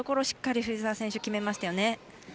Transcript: しっかり藤澤選手決めましたよね。